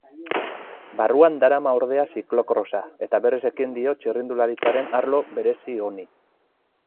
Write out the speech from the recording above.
Barruan darama ordea ziklokrosa, eta berriz ekin dio txirrindularitzaren arlo berezi honi.